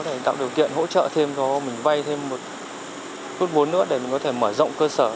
thể tạo điều kiện hỗ trợ thêm cho mình vay thêm một phút vốn nữa để có thể mở rộng cơ sở đầu tư